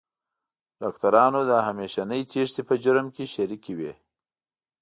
ډاکټرانو د همېشنۍ تېښتې په جرم کې شریکې وې.